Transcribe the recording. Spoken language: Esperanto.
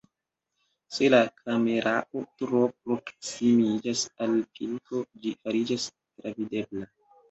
Se la kamerao tro proksimiĝas al pilko, ĝi fariĝas travidebla.